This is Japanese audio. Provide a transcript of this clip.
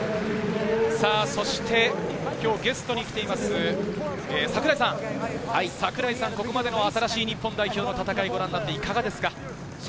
そして今日、ゲストに来ています櫻井さん、ここまでの新しい日本代表の戦い、ご覧になっていかがですか？